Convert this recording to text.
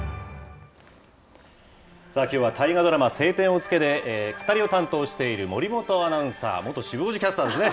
きょうは、大河ドラマ、青天を衝けで、語りを担当している守本アナウンサー、元シブ５時キャスターですね。